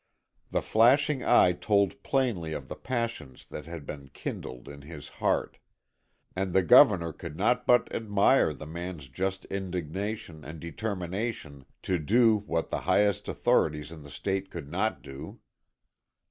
The flashing eye told plainly of the passions that had been kindled in his heart, and the Governor could not but admire the man's just indignation and determination to do what the highest authorities in the State could not do.